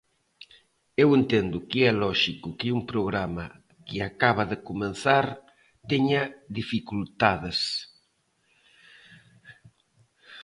Eu entendo que é lóxico que un programa que acaba de comezar teña dificultades.